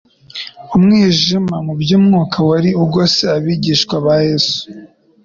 Umwijima mu by'umwuka wari ugose abigishwa ba Yesu,